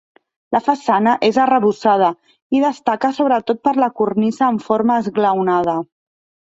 La façana és arrebossada i destaca sobretot per la cornisa en forma esglaonada.